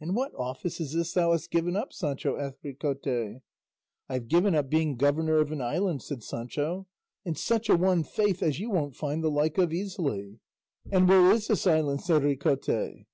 "And what office is this thou hast given up, Sancho?" asked Ricote. "I have given up being governor of an island," said Sancho, "and such a one, faith, as you won't find the like of easily." "And where is this island?" said Ricote.